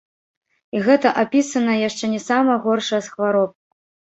І гэта апісаная яшчэ не самая горшая з хвароб!